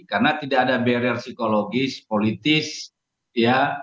karena tidak ada barrier psikologis politis ya